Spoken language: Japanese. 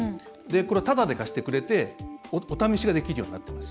タダで貸してくれてお試しができるようになってるんです。